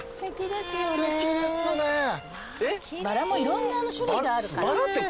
バラもいろんな種類があるから。